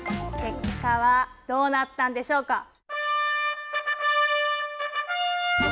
結果はどうなったんでしょうか？